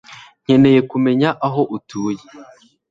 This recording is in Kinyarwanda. Nkeneye kumenya aho atuye.